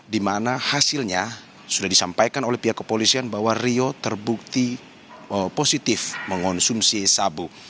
di mana hasilnya sudah disampaikan oleh pihak kepolisian bahwa rio terbukti positif mengonsumsi sabu